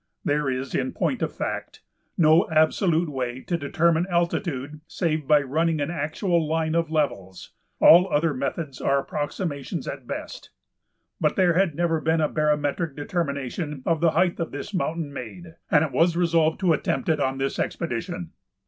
There is, in point of fact, no absolute way to determine altitude save by running an actual line of levels; all other methods are approximations at best. But there had never been a barometric determination of the height of this mountain made, and it was resolved to attempt it on this expedition.